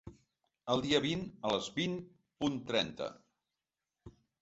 El dia vint a les vint punt trenta.